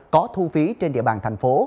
có thu phí trên địa bàn thành phố